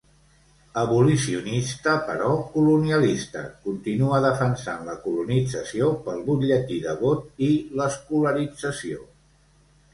Abolicionista però colonialista, continua defensant la colonització pel butlletí de vot i l'escolarització.